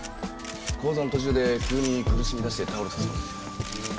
高座の途中で急に苦しみ出して倒れたそうです。